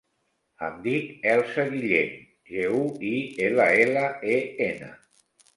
Em dic Elsa Guillen: ge, u, i, ela, ela, e, ena.